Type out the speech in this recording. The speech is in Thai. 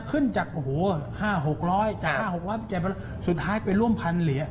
ขึ้นจากโอ้โหห้าหกร้อยจากห้าหกร้อยสุดท้ายไปร่วมพันเหลือ